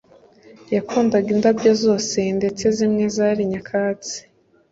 yakundaga indabyo zose, ndetse zimwe zari nyakatsi.